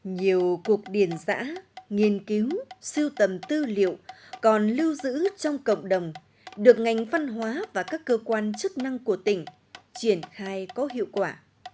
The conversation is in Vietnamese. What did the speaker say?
nhiều cuộc điển giã nghiên cứu siêu tầm tư liệu còn lưu giữ trong cộng đồng được ngành văn hóa và các cơ quan chức năng của tỉnh triển khai có hiệu quả